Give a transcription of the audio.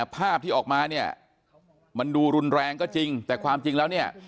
ภาพที่ออกมามันดูรุนแรงก็จริงแต่ความจริงแล้ว